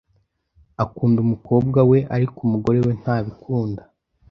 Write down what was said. Akunda umukobwa we, ariko umugore we ntabikunda .